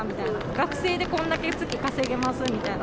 学生でこれだけ月稼げますみたいな。